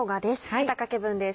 ２かけ分です。